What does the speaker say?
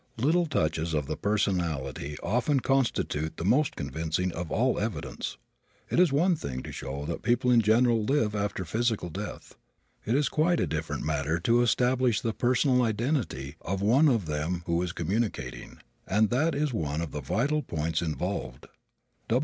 Little touches of the personality often constitute the most convincing of all evidence. It is one thing to show that people in general live after physical death. It is quite a different matter to establish the personal identity of one of them who is communicating, and that is one of the vital points involved.